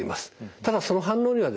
ただその反応にはですね